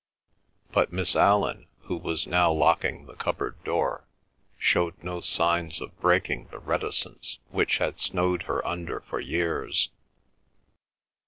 But Miss Allan, who was now locking the cupboard door, showed no signs of breaking the reticence which had snowed her under for years.